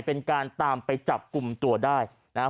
เป็นการตามไปจับกลุ่มตัวได้นะครับ